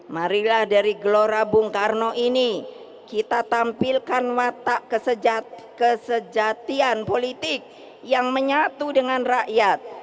marilah dari gelora bung karno ini kita tampilkan watak kesejatian politik yang menyatu dengan rakyat